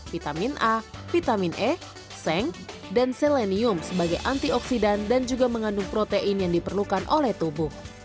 vitamin a vitamin e seng dan selenium sebagai antioksidan dan juga mengandung protein yang diperlukan oleh tubuh